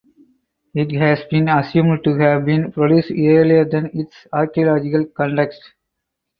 It has been assumed to have been produced earlier than its archaeological context.